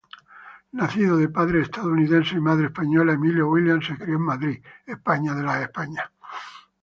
Nacido de padre estadounidense y madre española, Emilio Williams se crio en Madrid, España.